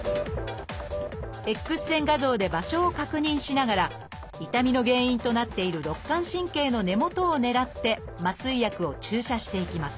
Ｘ線画像で場所を確認しながら痛みの原因となっている肋間神経の根元を狙って麻酔薬を注射していきます。